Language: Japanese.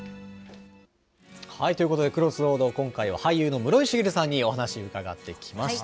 ということで、Ｃｒｏｓｓｒｏａｄ、今回は俳優の室井滋さんにお話伺ってきました。